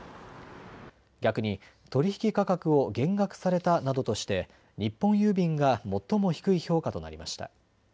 逆に取引価格を減額されたなどとして日本郵便が最も低い評価となりました。